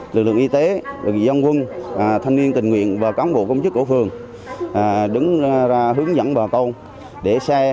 lực lượng y tế dân quân thanh niên tình nguyện và cán bộ công chức cổ phường đứng ra hướng dẫn bà con để xe